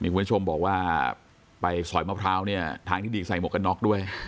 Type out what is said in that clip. คุณผู้ชมบอกว่าไปสอยมะพร้าวเนี่ยทางที่ดีใส่หมวกกันน็อกด้วย